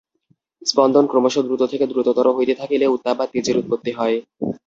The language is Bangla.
স্পন্দন ক্রমশ দ্রুত থেকে দ্রুততর হইতে থাকিলে উত্তাপ বা তেজের উৎপত্তি হয়।